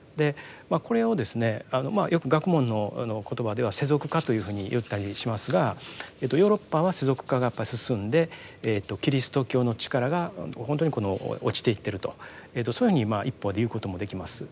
これをですねよく学問の言葉では「世俗化」というふうに言ったりしますがヨーロッパは世俗化がやっぱり進んでキリスト教の力がほんとにこの落ちていってるとそういうふうに一方で言うこともできます。